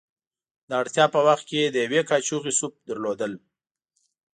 د اړتیا په وخت کې د یوې کاشوغې سوپ درلودل.